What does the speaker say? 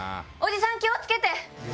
叔父さん気を付けて！